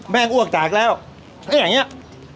แม่งอ้วกจากแล้วอ่ะอย่างเงี้ยอ่ะ